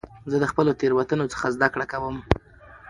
زه د خپلو تېروتنو څخه زده کړه کوم.